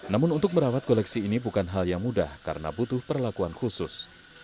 namun untuk merawat koleksi ini bukan hal yang mudah karena butuh perlakuan khusus